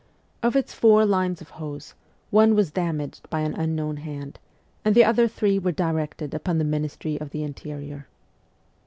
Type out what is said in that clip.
Of its four lines of hose, one was damaged by an unknown hand, and the other three were directed upon the Ministry of the Interior.